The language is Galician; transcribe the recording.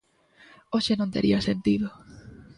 Hoxe non tería sentido.